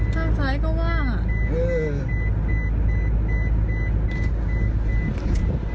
ข้างซ้ายก็ว่างอ่ะอืม